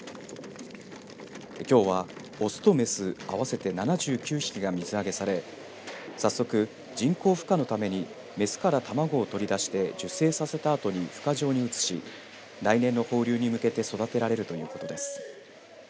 きょうは、雄と雌合わせて７９匹が水揚げされ早速、人工ふ化のために雌から卵を取り出して受精させたあとにふ化場に移し来年の放流に向けて育てられるということです。